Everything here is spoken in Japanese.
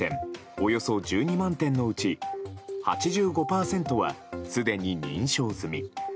およそ１２万店のうち８５％は、すでに認証済み。